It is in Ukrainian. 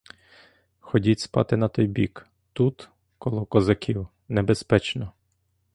Ходіть спати на той бік, тут, коло козаків, небезпечно.